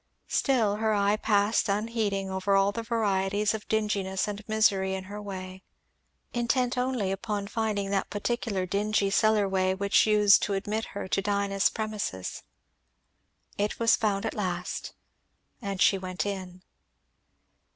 Still her eye passed unheeding over all the varieties of dinginess and misery in her way, intent only upon finding that particular dingy cellar way which used to admit her to Dinah's premises. It was found at last, and she went in.